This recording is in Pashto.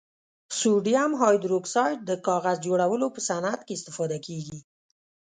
سوډیم هایدروکسایډ د کاغذ جوړولو په صنعت کې استفاده کیږي.